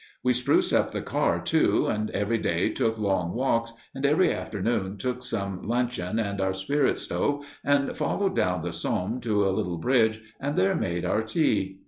We spruced up the car, too, and every day took long walks, and every afternoon took some luncheon and our spirit stove and followed down the Somme to a little bridge and there made our tea.